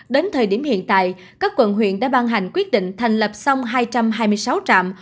đến thời điểm hiện tại các quận huyện đã ban hành quyết định thành lập xong hai trăm hai mươi sáu trạm